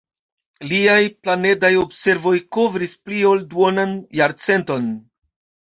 Liaj planedaj observoj kovris pli ol duonan jarcenton.